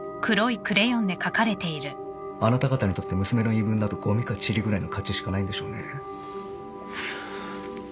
あなた方にとって娘の言い分などごみかちりぐらいの価値しかないんでしょうね。